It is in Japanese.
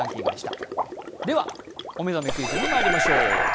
では「お目覚めクイズ」にまいりましょう。